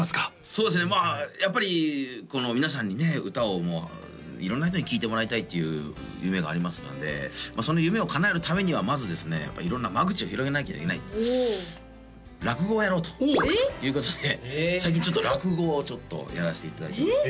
そうですねまあやっぱりこの皆さんにね歌を色んな人に聴いてもらいたいっていう夢がありますのでその夢を叶えるためにはまずですねやっぱ色んな間口を広げなきゃいけない落語をやろうということで最近ちょっと落語をやらしていただいてます